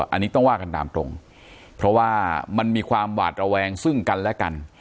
อันนี้ต้องว่ากันตามตรงเพราะว่ามันมีความหวาดระแวงซึ่งกันและกัน